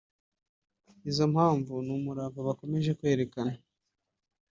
Izo mpamvu ni umurava bakomeje kwerekana